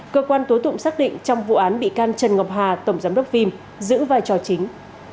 cơ quan tố tụng xác định trong vụ án bị can trần ngọc hà tổng giám đốc phim giữ vai trò chính